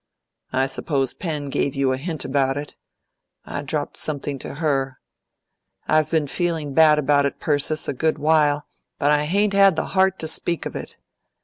I suppose Pen gave you a hint about it. I dropped something to her. I've been feeling bad about it, Persis, a good while, but I hain't had the heart to speak of it.